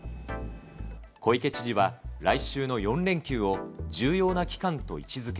小池知事は、来週の４連休を、重要な期間と位置づけ。